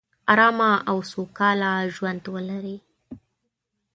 ارامه او سوکاله ژوندولري